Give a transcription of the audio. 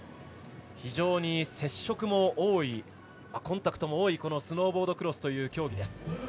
非常に接触も多いコンタクトも多いスノーボードクロスという競技。